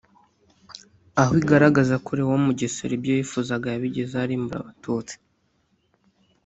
aho igaragaza ko Leon Mugesera ibyo yifuzaga yabigezeho arimbura Abatutsi